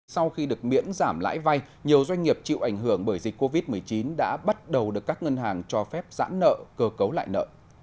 sau khi được miễn giảm lãi vay nhiều doanh nghiệp chịu ảnh hưởng bởi dịch covid một mươi chín đã bắt đầu được các ngân hàng cho phép giãn nợ cơ cấu lại nợ